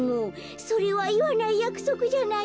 「それはいわないやくそくじゃないの。